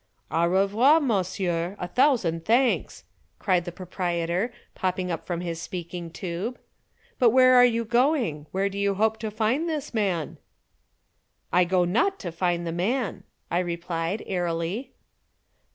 "Au revoir, monsieur, a thousand thanks," cried the proprietor, popping up from his speaking tube. "But where are you going? Where do you hope to find this man?" "I go not to find the man," I replied airily.